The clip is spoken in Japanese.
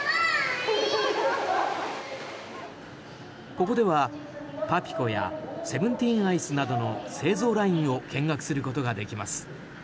ここではパピコやセブンティーンアイスなどの製造ラインを見学することができます。